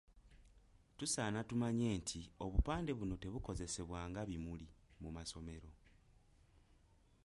Tusaana tumanye nti obupande buno tebukozesebwa nga “bimuli” mu masomero.